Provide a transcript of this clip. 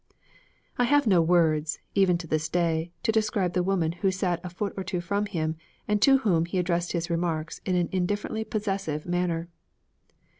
I have no words, even to this day, to describe the woman who sat a foot or two from him and to whom he addressed his remarks in an indifferently possessive manner.